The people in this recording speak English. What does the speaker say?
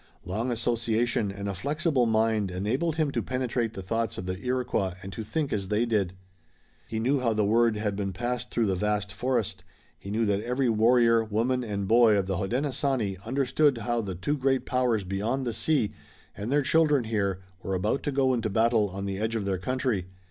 Long association and a flexible mind enabled him to penetrate the thoughts of the Iroquois and to think as they did. He knew how the word had been passed through the vast forest. He knew that every warrior, woman and boy of the Hodenosaunee understood how the two great powers beyond the sea and their children here, were about to go into battle on the edge of their country.